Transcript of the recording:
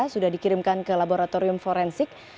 sudah dikirimkan ke laboratorium forensik